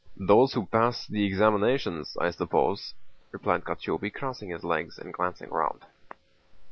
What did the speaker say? "Those who pass the examinations, I suppose," replied Kochubéy, crossing his legs and glancing round.